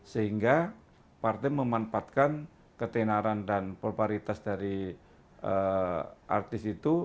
sehingga partai memanfaatkan ketenaran dan proparitas dari artis itu